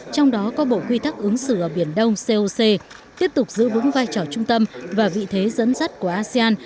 trong đó có bộ quy tắc ứng xử ở biển đông coc tiếp tục giữ vững vai trò trung tâm và vị thế dẫn dắt của asean